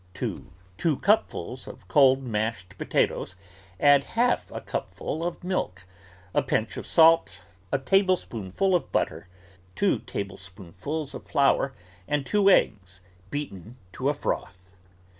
To two cupfuls of cold mashed potatoes add half a cupful of milk, a pinch of salt, a tablespoonful of butter, two table spoonfuls of flour, and two eggs, beaten to a froth.